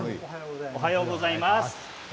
おはようございます。